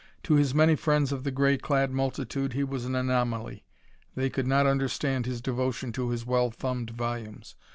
To his many friends of the gray clad multitude he was an anomaly; they could not understand his devotion to his well thumbed volumes.